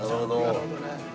なるほどね。